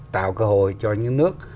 tạo cơ hội cho những nước